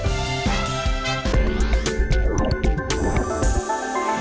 โปรดติดตามตอนต่อไป